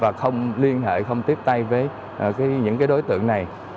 và không liên hệ không tiếp tay với những đối tượng này